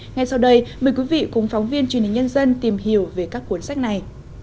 ngay sau đây mời quý vị cùng phóng viên truyền hình nhân dân tìm hiểu về các cuốn sách này